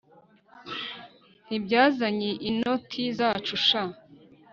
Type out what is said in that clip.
ntibyazanye inoti zacu sha